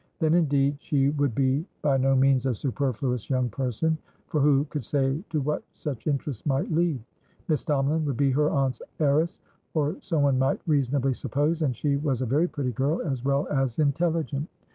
Then, indeed, she would be by no means a superfluous young person; for who could say to what such interest might lead? Miss Tomalin would be her aunt's heiress, or so one might reasonably suppose. And she was a very pretty girl, as well as intelligent.